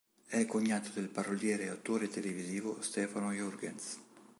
È cognato del paroliere e autore televisivo Stefano Jurgens.